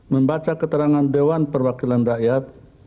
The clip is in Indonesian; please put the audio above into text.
membaca keterangan dewan perwakilan rakyat